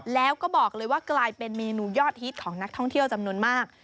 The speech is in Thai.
แล้วก็บอกเลยว่ากลายเป็นเมนูยอดฮิตของนักท่องเที่ยวจำนวนมาก